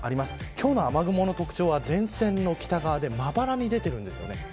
今日の雨雲の特徴は前線の北側でまばらに出ています。